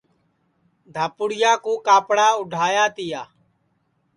دھپُوڑِیا کُو کاپڑا اُڈایا تیا